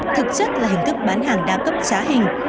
thực chất là hình thức bán hàng đa cấp trá hình